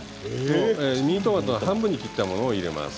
ミニトマトは半分に切ったものを入れます。